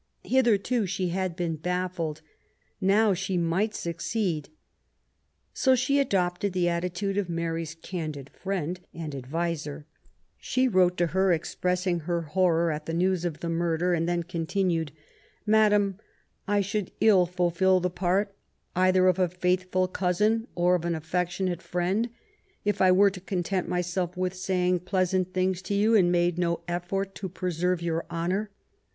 Hitherto she had been baffled i now she might succeed. So she adojrted the attitude of Mary's candid friend and adviser. She wrote to her expressing her horror at the news of the murder ; and then continued :" Madam, I should ill fulfil the part either of a faithful cousin or of an affectionate friend, if I were to content myself with saying pleasant things to you and made no effort to pre serve your honour.